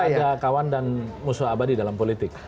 ada kawan dan musuh abadi dalam politik